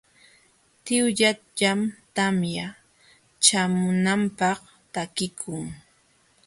Tiwllallam tamya ćhaamunanpaq takikun.